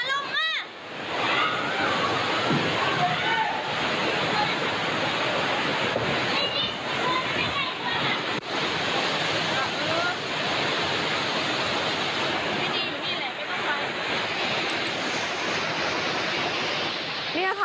ไม่ดีเหมือนที่นี่แหละไม่ต้องไป